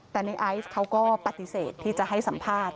แต่ในไอซ์เขาก็ปฏิเสธที่จะให้สัมภาษณ์